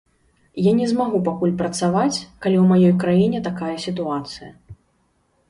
Я не змагу пакуль працаваць, калі ў маёй краіне такая сітуацыя.